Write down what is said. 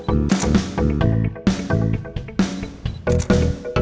udah udah selesai